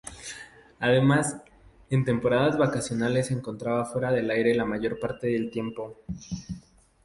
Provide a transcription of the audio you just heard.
Además, en temporadas vacacionales se encontraba fuera del aire la mayor parte del tiempo.